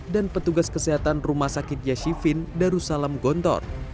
dan petugas kesehatan rumah sakit yasyifin darussalam gontor